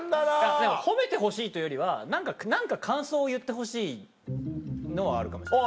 でも褒めてほしいというよりは何か感想を言ってほしいのはあるかもしれない。